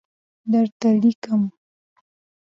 درته لیکمه